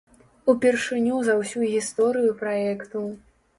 Упершыню за ўсю гісторыю праекту.